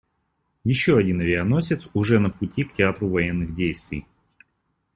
Еще один авианосец уже на пути к театру военных действий.